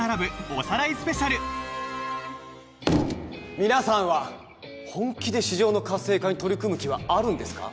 皆さんは本気で市場の活性化に取り組む気はあるんですか？